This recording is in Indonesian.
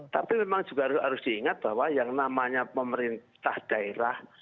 tapi memang juga harus diingat bahwa yang namanya pemerintah daerah